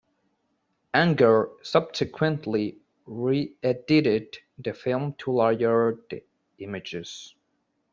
Anger subsequently re-edited the film to layer the images.